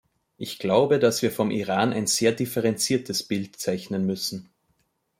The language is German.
Ich glaube, dass wir vom Iran ein sehr differenziertes Bild zeichnen müssen.